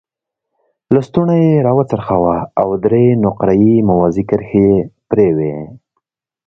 لستوڼی یې را وڅرخاوه او درې نقره یي موازي کرښې یې پرې وې.